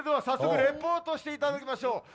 早速レポートしていただきましょう。